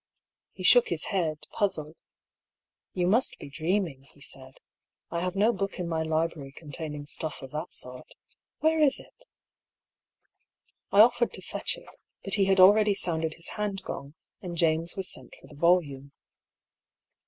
He shook his head, puzzled. "You must be dreaming," he said. "I have no book in my library containing stuff of that sort. " Where is it?" 50 I>R. PAULKS THEORY. I offered to fetch it, but he had already sounded his hand gong, and James was sent for the volume.